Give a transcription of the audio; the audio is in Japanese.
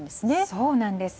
そうなんです。